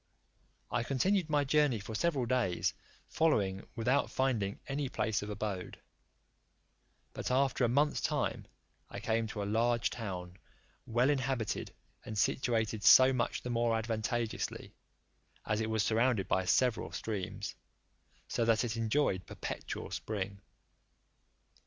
I continued my journey for several days following, without finding any place of abode: but after a month's time, I came to a large town well inhabited, and situated so much the more advantageously, as it was surrounded by several streams, so that it enjoyed perpetual spring.